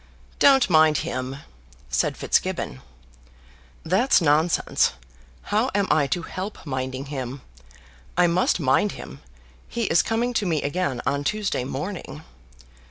"Don't mind him," said Fitzgibbon. "That's nonsense. How am I to help minding him? I must mind him. He is coming to me again on Tuesday morning."